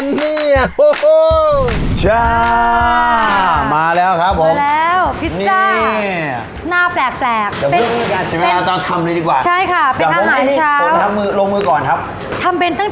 เริ่มแรกเลยก็ต้อง